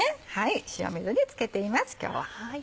塩水に漬けています今日は。